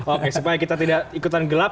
oke supaya kita tidak ikutan gelap